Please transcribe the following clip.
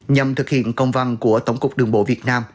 nhằm thực hiện công văn của tổng cục đường bộ việt nam